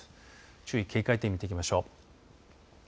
注意、警戒点見ていきましょう。